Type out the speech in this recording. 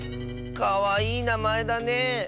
かわいいなまえだね。